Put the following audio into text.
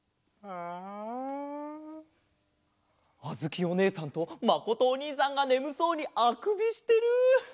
あづきおねえさんとまことおにいさんがねむそうにあくびしてる。